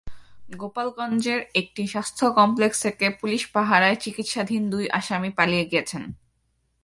গোপালগঞ্জের একটি স্বাস্থ্য কমপ্লেক্স থেকে পুলিশ পাহারায় চিকিৎসাধীন দুই আসামি পালিয়ে গেছেন।